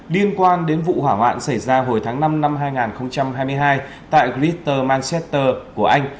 liên quan đến vụ hỏa hoạn xảy ra hồi tháng năm năm hai nghìn hai mươi hai tại glitter manceter của anh